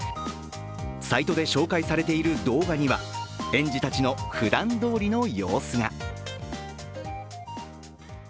サイトで紹介されている動画には園児たちのふだんどおりの様子が。